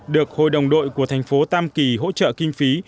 được hội đồng đội của thành phố tam kỳ hỗ trợ kinh phí